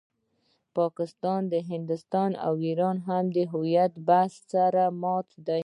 پاکستان، هندوستان او ایران هم د هویت پر بحث سر ماتوي.